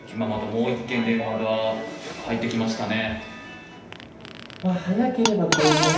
もう１件電話が入ってきましたね。